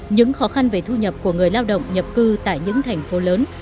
những khó khăn về thu nhập của người lao động nhập cư tại những thành phố lớn